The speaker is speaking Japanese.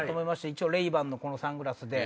一応レイバンのこのサングラスで。